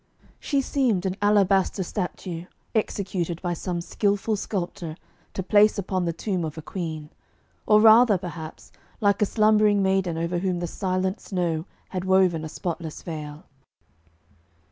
She seemed an alabaster statue executed by some skilful sculptor to place upon the tomb of a queen, or rather, perhaps, like a slumbering maiden over whom the silent snow had woven a spotless veil.